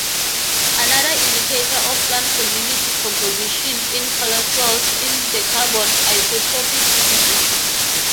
Another indicator of plant community composition in paleosols is the carbon isotopic signature.